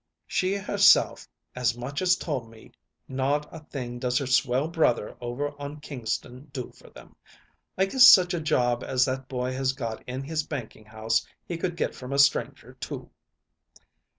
"She herself as much as told me not a thing does her swell brother over on Kingston do for them. I guess such a job as that boy has got in his banking house he could get from a stranger too."